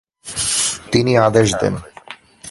তিনি আদেশ দেন।